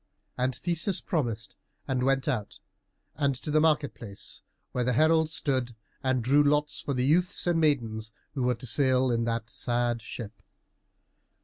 And Theseus promised, and went out, and to the market place, where the herald stood and drew lots for the youths and maidens who were to sail in that sad ship.